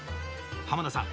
濱田さん